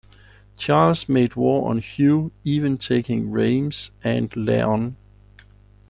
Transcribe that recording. Charles made war on Hugh, even taking Rheims and Laon.